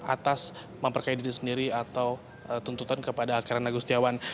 atas memperkaya diri sendiri atau tuntutan kepada karen agustiawan